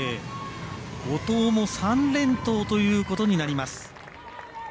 後藤も３連投ということになります。